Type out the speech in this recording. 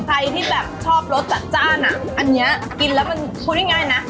ใครที่แบบชอบรสจัดจ้านอ่ะอันนี้กินแล้วมันพูดง่ายนะ